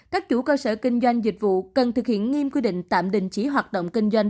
các chủ cơ sở kinh doanh dịch vụ cần thực hiện nghiêm quy định tạm đình chỉ hoạt động kinh doanh